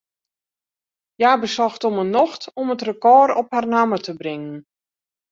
Hja besocht om 'e nocht om it rekôr op har namme te bringen.